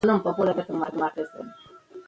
ژمی موسم کې پکتيا هوا ډیره یخه وی.